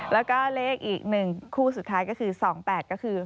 แล้วก็เลขอีก๑คู่สุดท้ายก็คือ๒๘ก็คือ